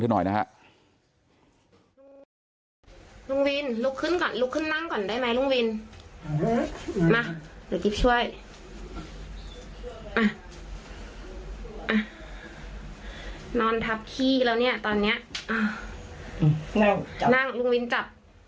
ช่วยอ่ะอ่ะนอนทับขี้แล้วเนี้ยตอนเนี้ยอ่ะนั่งนั่งลูกวินจับ